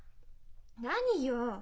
何よ？